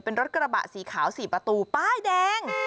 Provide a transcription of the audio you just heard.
เป็นรถกระบะสีขาว๔ประตูป้ายแดง